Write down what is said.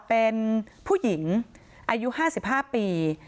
เป็นผู้หญิงอายุห้าสิบห้าปี